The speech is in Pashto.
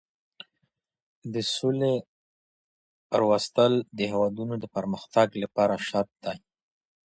د سولي راوستل د هیوادونو د پرمختګ لپاره شرط دی.